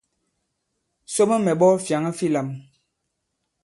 Somo mɛ̀ ɓᴐ fyàŋa fi lām.